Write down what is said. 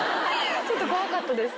ちょっと怖かったです